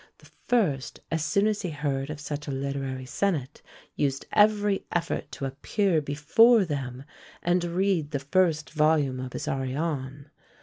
The first, as soon as he heard of such a literary senate, used every effort to appear before them and read the first volume of his "Ariane."